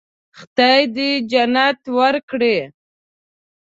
خدای دې جنت ورکړي.